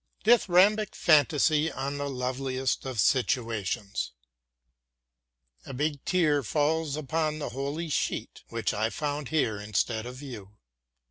DITHYRAMBIC FANTASY ON THE LOVELIEST OF SITUATIONS A big tear falls upon the holy sheet which I found here instead of you.